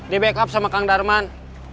di backup sama kang darman